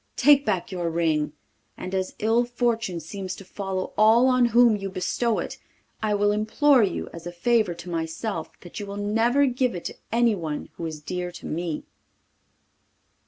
Take back your ring, and as ill fortune seems to follow all on whom you bestow it, I will implore you, as a favour to myself, that you will never give it to anyone who is dear to me.